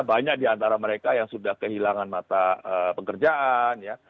banyak di antara mereka yang sudah kehilangan mata pekerjaan ya